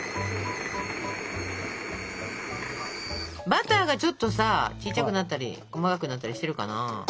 バターがちょっとさ小ちゃくなったり細かくなったりしてるかな？